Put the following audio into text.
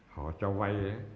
họ cho vay